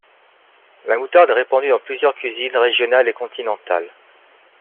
La moutarde est répandue dans plusieurs cuisines régionales et continentales.